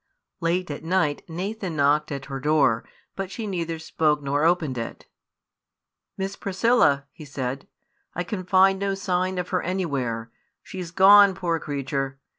Late at night Nathan knocked at her door; but she neither spoke nor opened it. "Miss Priscilla," he said, "I can find no sign of her anywhere. She's gone, poor creature!